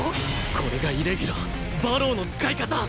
これがイレギュラー馬狼の使い方